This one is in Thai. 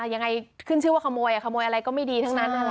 ยังไงขึ้นชื่อว่าขโมยขโมยอะไรก็ไม่ดีทั้งนั้น